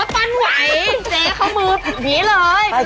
ปั้นไหวเจ๊เข้ามือผีเลย